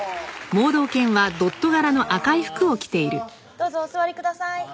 どうぞお座りください